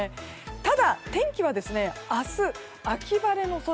ただ天気は明日、秋晴れの空。